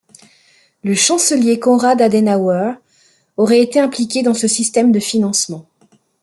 Le chancelier Konrad Adenauer aurait été impliqué dans ce système de financement.